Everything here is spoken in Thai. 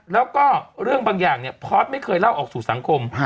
แล้วก็เรื่องบางอย่างเนี่ยพอร์ตไม่เคยเล่าออกสู่สังคม